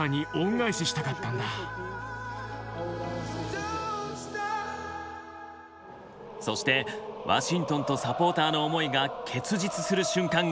そしてワシントンとサポーターの思いが結実する瞬間がやってきた。